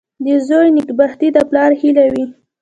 • د زوی نېکبختي د پلار هیله وي.